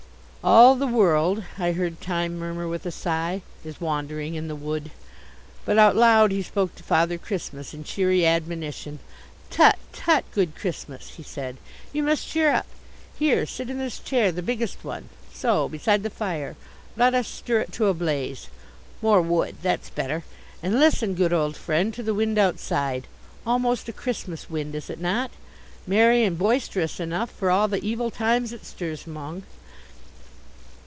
"All the world," I heard Time murmur with a sigh, "is wandering in the wood." But out loud he spoke to Father Christmas in cheery admonition, "Tut, tut, good Christmas," he said, "you must cheer up. Here, sit in this chair the biggest one; so beside the fire. Let us stir it to a blaze; more wood, that's better. And listen, good old Friend, to the wind outside almost a Christmas wind, is it not? Merry and boisterous enough, for all the evil times it stirs among."